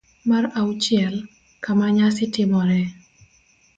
mar auchiel. Kama nyasi timoree